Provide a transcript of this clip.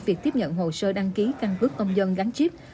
việc tiếp nhận hồ sơ đăng ký căn cước công dân gắn chip